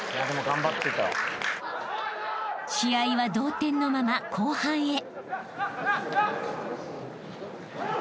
［試合は同点のまま後半へ］